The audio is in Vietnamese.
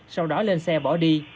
sau đó lên xe bỏ đi